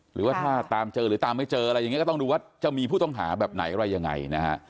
หรือว่าถ้าตามเจอหรือตามไม่เจออะไรอย่างนี้ก็ต้องดูว่าจะมีผู้ต้องหาแบบไหนอะไรยังไงนะฮะ